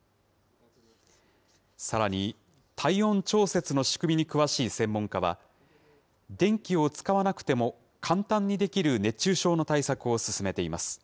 さらに、体温調節の仕組みに詳しい専門家は、電気を使わなくても簡単にできる熱中症の対策を進めています。